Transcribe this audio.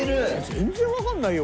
全然わかんないよ